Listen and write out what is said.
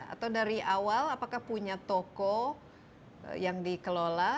atau dari awal apakah punya toko yang dikelola